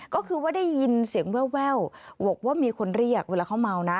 ก็คือว่าได้ยินเสียงแววบอกว่ามีคนเรียกเวลาเขาเมานะ